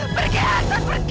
pergi aksan pergi